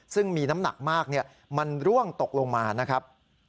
ซึ่งมีน้ำหนักมากมันร่วงตกลงมานะครับ